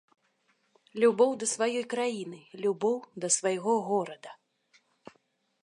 Любоў да сваёй краіны, любоў да свайго горада.